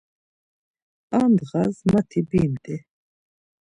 Ar ndğas mati bimt̆i.